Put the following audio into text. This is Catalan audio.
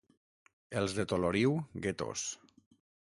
Els de Toloriu, guetos.